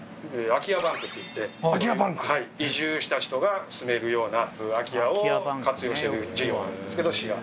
空き家バンクっていって移住した人が住めるような空き家を活用してる事業なんですけど市が。